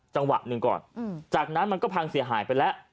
จังหวะหนึ่งก่อนจากนั้นมันก็พังเสียหายไปแล้ว